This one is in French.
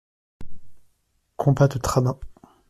Combat de Tramin.